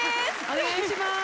お願いします。